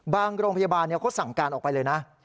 โรงพยาบาลเขาสั่งการออกไปเลยนะ